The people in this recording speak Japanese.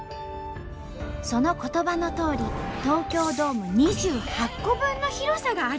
その言葉のとおり東京ドーム２８個分の広さがあるんです。